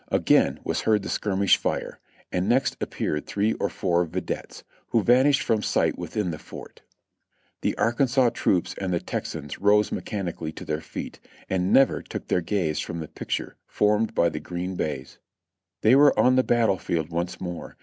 Again was heard the skirmish fire; and next appeared three or four videttes, wlio vanished from sight within the fort. The Arkansas troops and the Texans rose mechanically to their feet, and never took their gaze from the picture formed by the green baize. They were on the battle field once more.